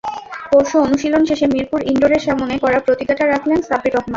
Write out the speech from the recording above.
পরশু অনুশীলন শেষে মিরপুর ইনডোরের সামনে করা প্রতিজ্ঞাটা রাখলেন সাব্বির রহমান।